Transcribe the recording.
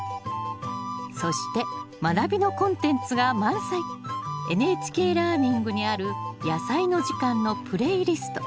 そしてまなびのコンテンツが満載「ＮＨＫラーニング」にある「やさいの時間」のプレイリスト。